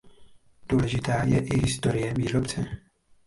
Důležitá je i historie výrobce.